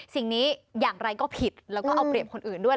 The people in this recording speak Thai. สิ่งนี้อย่างไรก็ผิดแล้วก็เอาเปรียบคนอื่นด้วย